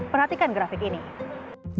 perhatikan grafik ini